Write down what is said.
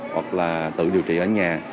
hoặc là tự điều trị ở nhà